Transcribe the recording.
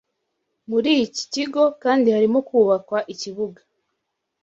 Muri iki kigo kandi harimo kubakwa ikibuga